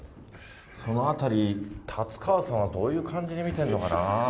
そのあたり、達川さんはどういう感じで見てんのかな。